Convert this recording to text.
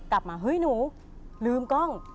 กลับมาเฮ้ยหนูลืมกล้อง